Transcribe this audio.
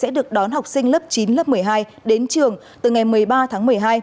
sẽ được đón học sinh lớp chín lớp một mươi hai đến trường từ ngày một mươi ba tháng một mươi hai